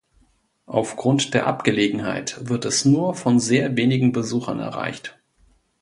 Aufgrund der Abgelegenheit wird es nur von sehr wenigen Besuchern erreicht.